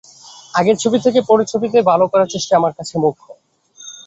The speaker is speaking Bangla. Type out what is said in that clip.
আগের ছবি থেকে পরের ছবিতে ভালো করার চেষ্টাই আমার কাছে মুখ্য।